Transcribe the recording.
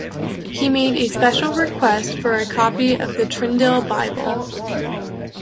He made a special request for a copy of the Tyndale Bible.